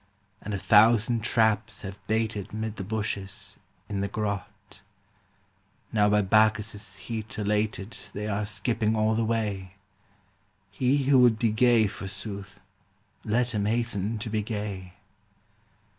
And a thousand traps have baited Mid the bushes, in the grot ; Now by Bacchus* heat elated They are skipping all the way : He who would be gay, forsooth, Let him hasten to be gay.